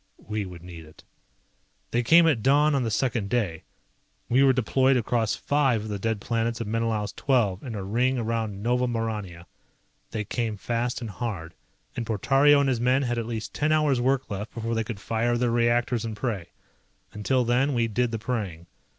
We would need it. They came at dawn on the second day. We were deployed across five of the dead planets of Menelaus XII in a ring around Nova Maurania. They came fast and hard, and Portario and his men had at least ten hours work left before they could fire their reactors and pray. Until then we did the praying.